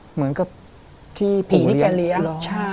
เหมือนกับที่ผีที่แกเลี้ยง